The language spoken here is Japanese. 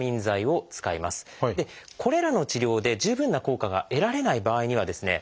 これらの治療で十分な効果が得られない場合にはですね